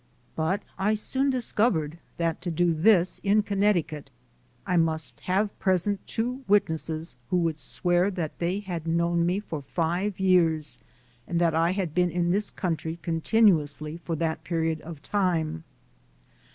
But I soon discovered that to do this in Connecticut, I must have present two witnesses who would swear that they had known me for five years and that I had been in this country continuously for that period of time.